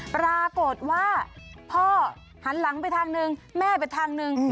ปรากฏว่าพ่อหันหลังไปทางหนึ่งแม่ไปทางหนึ่ง